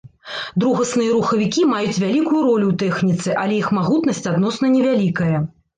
Другасныя рухавікі маюць вялікую ролю ў тэхніцы, але іх магутнасць адносна невялікая.